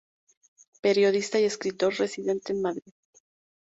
Periodista y escritor residente en Madrid.